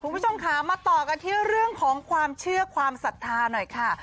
คุณผู้ชมค่ะมาต่อกันที่เรื่องของความเชื่อความศรัทธาหน่อยค่ะ